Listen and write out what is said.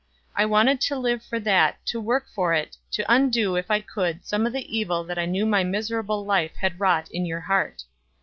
I wanted to live for that, to work for it, to undo if I could some of the evil that I knew my miserable life had wrought in your heart.